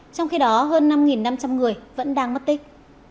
trong khi đó hơn năm năm trăm linh người vẫn đang mất tích